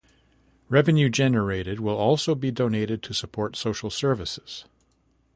Revenue generated will also be donated to support social services.